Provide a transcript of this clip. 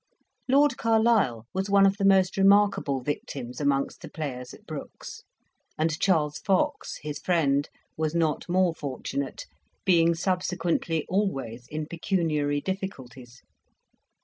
Lord Carlisle was one of the most remarkable victims amongst the players at Brookes', and Charles Fox, his friend, was not more fortunate, being subsequently always in pecuniary difficulties.